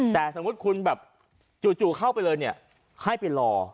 แต่สมมุติคุณแบบจู่เข้าไปเลยเนี่ยให้ไปรอ